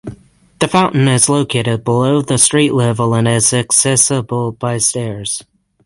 The fountain is located below the street level and is accessible by stairs.